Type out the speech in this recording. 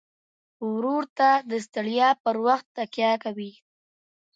ورور ته د ستړیا پر وخت تکیه کوي.